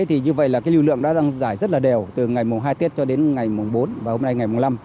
như vậy lưu lượng đã giải rất đều từ ngày mùng hai tiết cho đến ngày mùng bốn và hôm nay ngày mùng năm